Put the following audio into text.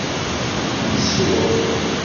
Tsuɣ.